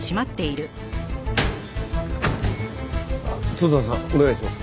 砥沢さんお願いします。